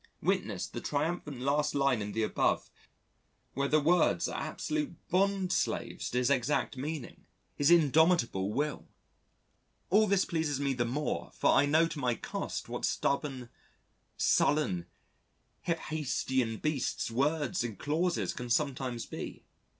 Witness the triumphant last line in the above where the words are absolute bondslaves to his exact meaning, his indomitable will. All this pleases me the more for I know to my cost what stubborn, sullen, hephæstian beasts words and clauses can sometimes be.